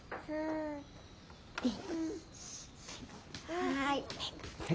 はい。